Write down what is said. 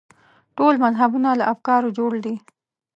ټول مذهبونه له افکارو جوړ دي.